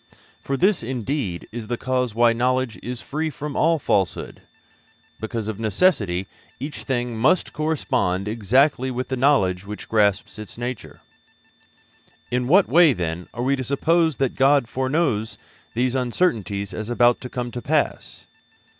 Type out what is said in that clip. For this, indeed, is the cause why knowledge is free from falsehood, because of necessity each thing must correspond exactly with the knowledge which grasps its nature. In what way, then, are we to suppose that God foreknows these uncertainties as about to come to pass?